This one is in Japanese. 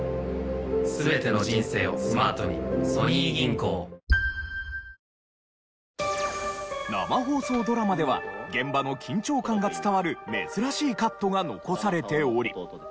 今だけ春の味生放送ドラマでは現場の緊張感が伝わる珍しいカットが残されており。